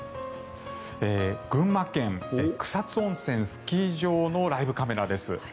群馬県・草津温泉スキー場のライブカメラです。